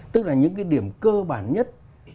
tức là những cái điểm cơ bản nhất